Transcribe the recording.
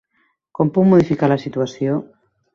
Com puc modificar la situació?